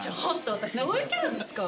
私そういうキャラですか？